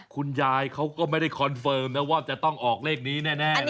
คุณยายเขาก็ไม่ได้คอนเฟิร์มนะว่าจะต้องออกเลขนี้แน่